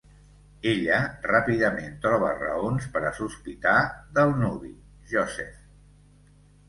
Ella ràpidament troba raons per a sospitar del nuvi, Joseph.